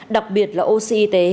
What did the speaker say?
đặc biệt là oc y tế